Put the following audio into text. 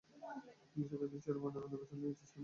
পুলিশের কাজ ছেড়ে ময়নাতদন্তের পিছনে লেগেছিস কেন?